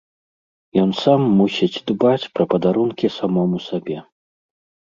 Ён сам мусіць дбаць пра падарункі самому сабе.